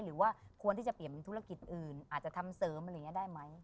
หรือว่าควรที่จะเปลี่ยนเป็นธุรกิจอื่นอาจจะทำเสริมอะไรอย่างนี้ได้ไหม